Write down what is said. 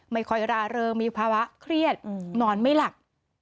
ไม่ค่อยร่าเริงมีภาวะเครียดนอนไม่หลับ